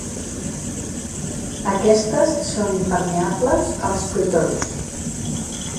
Aquestes són impermeables als protons.